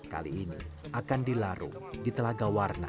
kali ini akan dilaru di telaga warna